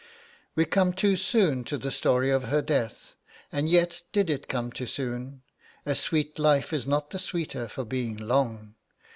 We come too soon to the story of her death. And yet did it come too soon? A sweet life is not the sweeter for being long.